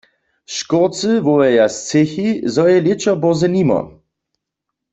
Škórcy wołaja z třěchi, zo je lěćo bórze nimo.